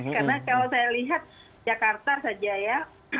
karena kalau saya lihat jakarta saja ya